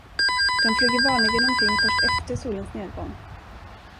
De flyger vanligen omkring först efter solens nedgång.